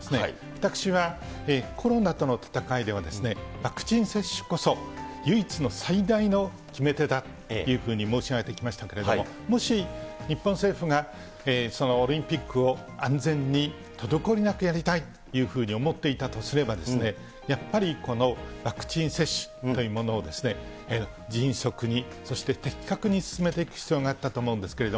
私はコロナとの闘いでは、ワクチン接種こそ唯一の最大の決め手だというふうに申し上げてきましたけれども、もし日本政府がそのオリンピックを安全に滞りなくやりたいと思っていたとすれば、やっぱりこのワクチン接種というものを、迅速にそして的確に進めていく必要があったと思うんですけど。